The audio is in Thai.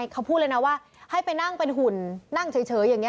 เขาพูดเลยนะว่าให้ไปนั่งเป็นหุ่นนั่งเฉยอย่างนี้